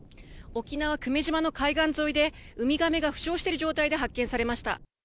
沖縄・久米島の海岸沿いで、ウミガメが負傷している状態で発見されました。